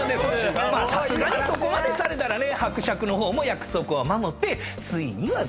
さすがにそこまでされたらね伯爵の方も約束は守ってついには。